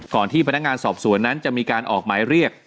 ที่พนักงานสอบสวนนั้นจะมีการออกหมายเรียก